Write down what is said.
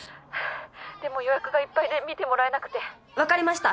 「でも予約がいっぱいで診てもらえなくて」わかりました。